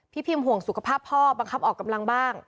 พิมห่วงสุขภาพพ่อบังคับออกกำลังบ้าง